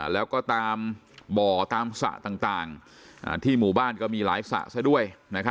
แล้วก็ตามบ่อตามสระต่างที่หมู่บ้านก็มีหลายสระซะด้วย